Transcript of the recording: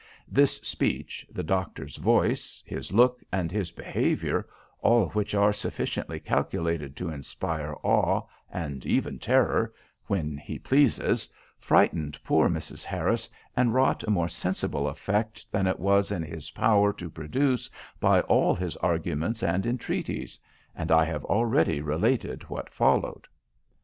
This speech, the doctor's voice, his look, and his behaviour, all which are sufficiently calculated to inspire awe, and even terror, when he pleases, frightened poor Mrs. Harris, and wrought a more sensible effect than it was in his power to produce by all his arguments and entreaties; and I have already related what followed.